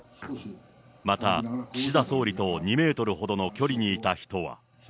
また、岸田総理と２メートルほどの距離にいた人は。